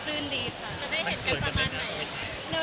แล้วเบียนกันก่อนไหน